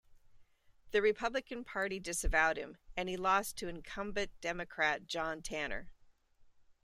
The Republican Party disavowed him, and he lost to incumbent Democrat John Tanner.